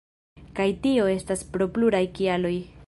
Kaj tio estas pro pluraj kialoj.